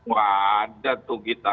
wadah tuh kita